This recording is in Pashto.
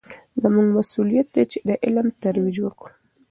زموږ مسوولیت دی چې د علم ترویج وکړو.